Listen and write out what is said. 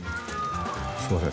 すみません。